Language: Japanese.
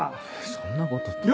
そんなことって。